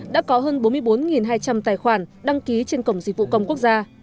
đã có hơn bốn mươi bốn hai trăm linh tài khoản đăng ký trên cổng dịch vụ công quốc gia